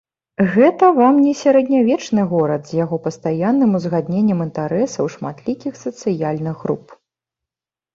Гэта вам не сярэднявечны горад з яго пастаянным узгадненнем інтарэсаў шматлікіх сацыяльных груп.